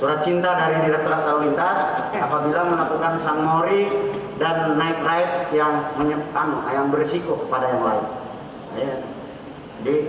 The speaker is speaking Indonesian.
surat cinta dari direkturat kalungintas apabila melakukan sunmori dan night ride yang menyebabkan yang berisiko kepada yang lain